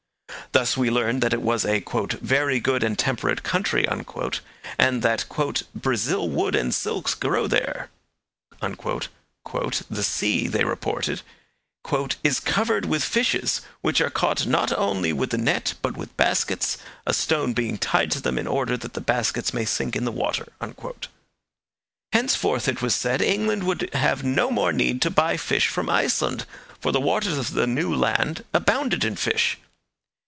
Thus we learn that it was a 'very good and temperate country,' and that 'Brazil wood and silks grow there.' 'The sea,' they reported, 'is covered with fishes, which are caught not only with the net, but with baskets, a stone being tied to them in order that the baskets may sink in the water.' Henceforth, it was said, England would have no more need to buy fish from Iceland, for the waters of the new land abounded in fish.